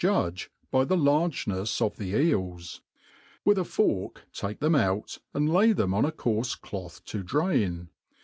judge by the largenefs of the eels. With a fork take them out, and lay them on a coarfe cloth to drain.